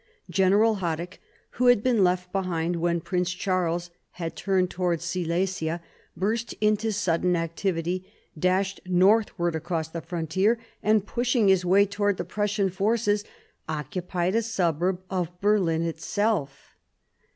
General Haddick, who had been left behind when Prince Charles had turned towards Silesia, burst into sudden activity, dashed northward across the frontier, and, push ing his way between the Prussian forces, occupied a suburb of Berlin itself.